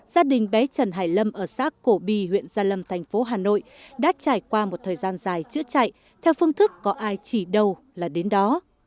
gia đình bé trần hải lâm ở xã cổ bi huyện gia lâm thành phố hà nội đã trải qua một thời gian dài chữa chạy theo phương thức có ai chỉ đâu là đến đó